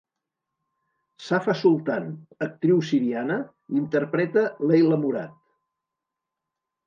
Safa Sultan, actriu siriana, interpreta Leila Mourad.